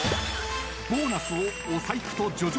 ［ボーナスをお財布と叙々